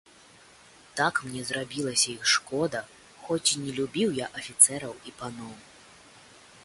Так мне зрабілася іх шкода, хоць і не любіў я афіцэраў і паноў.